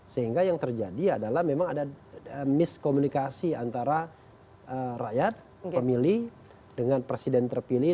sehingga yang terjadi adalah memang ada miskomunikasi antara rakyat pemilih dengan presiden terpilih